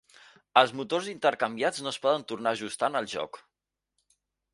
Els motors intercanviats no es poden tornar a ajustar en el joc.